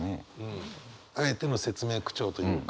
あえての説明口調というか。